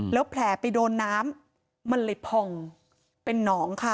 แล้วแผลไปโดนน้ำมันเลยผ่องเป็นหนองค่ะ